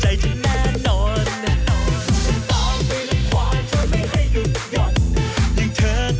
หมายถึงว่าบ่นหลอกป๊ามคือตัวพีงหนัก